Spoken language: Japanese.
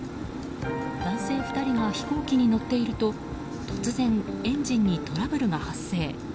男性２人が飛行機に乗っていると突然、エンジンにトラブルが発生。